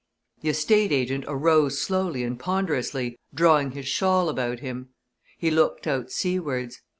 The estate agent arose slowly and ponderously, drawing his shawl about him. He looked out seawards.